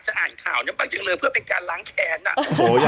หนุ่มกัญชัยโทรมา